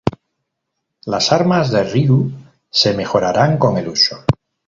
Las armas de Ryu se mejoraran con el uso.